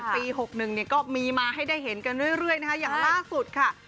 ปี๖๑เนี่ยก็มีมาให้ได้เห็นกันเรื่อยนะคะอย่างล่าสุดค่ะ